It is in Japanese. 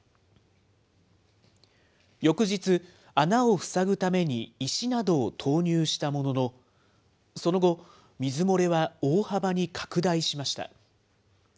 翌日、穴を塞ぐために石などを投入したものの、その後、水漏れは大幅に拡大しました。